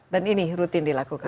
dan ini rutin dilakukan